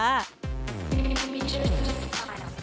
อืม